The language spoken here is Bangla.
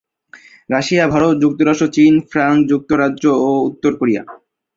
রাশিয়া, ভারত, যুক্তরাষ্ট্র, চীন, ফ্রান্স, যুক্তরাজ্য এবং উত্তর কোরিয়া।